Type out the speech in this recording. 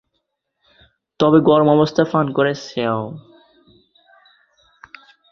তবে গরম অবস্থায় পান করাই শ্রেয়।